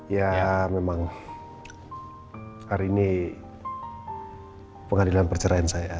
ya memang hari ini pengadilan perceraian saya